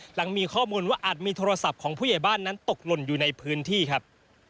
หลังมีข้อมูลว่าอาจมีโทรศัพท์ของผู้ใหญ่บ้านนั้นตกหล่นอยู่ในพื้นที่ครับ